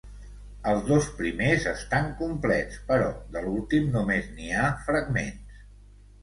Els dos primers estan complets, però de l'últim només n'hi ha fragments.